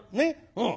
うん。